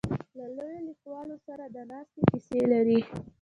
له لویو لیکوالو سره د ناستې کیسې لري.